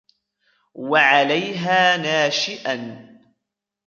وَعَلَيْهَا نَاشِئًا